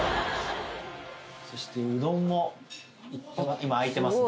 そしてうどんも今あいてますね